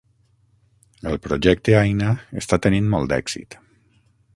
El projecte Aina està tenint molt d'èxit.